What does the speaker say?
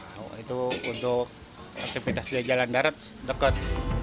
lalu aktivitas di jalan darat dekat